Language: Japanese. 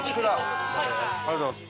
ありがとうございます。